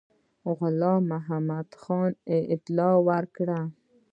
غلام محمدخان اطلاع ورکړه.